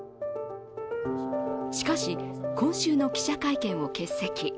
しかし、今週の記者会見を欠席。